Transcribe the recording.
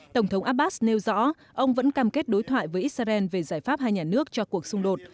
tổng thống abbas nêu rõ ông vẫn cam kết đối thoại với israel về giải pháp hai nhà nước cho cuộc xung đột